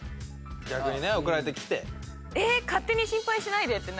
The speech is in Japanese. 逆にね送られてきて。